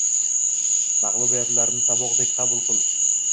Mag‘lubiyatlarni saboqdek qabul qil.